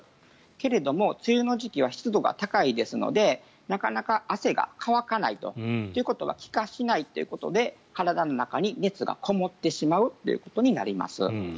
けれども、梅雨の時期は湿度が高いですのでなかなか汗が乾かない。ということは気化しないということで体の中に熱がこもってしまうということになります。